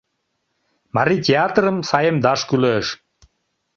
Марий театрым саемдаш кӱлеш